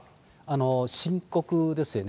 深刻ですよね。